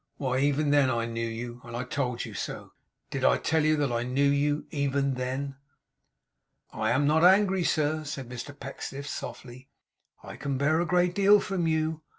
Why, even then I knew you, and I told you so. Did I tell you that I knew you, even then?' 'I am not angry, sir,' said Mr Pecksniff, softly. 'I can bear a great deal from you.